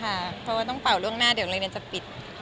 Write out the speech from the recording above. เพราะว่าต้องเป่าล่วงหน้าเดี๋ยวโรงเรียนจะปิด